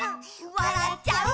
「わらっちゃう」